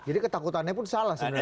ketakutannya pun salah sebenarnya